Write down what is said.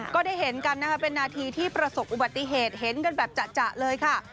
ก็ได้เห็นกันนะคะเป็นนาทีที่ประสบอุบัติเหตุเห็นกันแบบจะเลยค่ะ